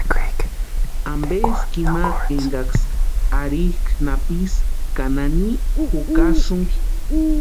¿Ampeski ima énkaksï arhikʼa napisï ka nani jukasïnki?